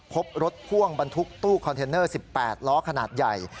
พบรถพ่วงบรรทุกตู้คอนเทนเนอร์๑๘ล้อขนาดใหญ่